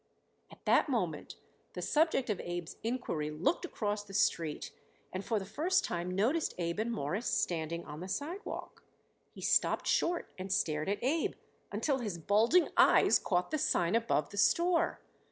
At that moment the subject of Abe's inquiry looked across the street and for the first time noticed Abe and Morris standing on the sidewalk. He stopped short and stared at Abe until his bulging eyes caught the sign above the store.